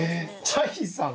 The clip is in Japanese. チャイさん